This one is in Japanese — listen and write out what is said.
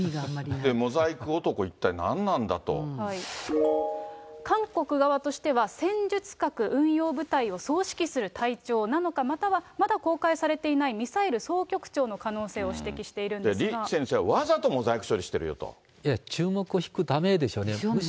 モザイク男、韓国側としては、戦術核運用部隊を総指揮する隊長なのか、またはまだ公開されていないミサイル総局長の可能性を指摘してい李先生は、わざとモザイク処注目を引くためでしょうね。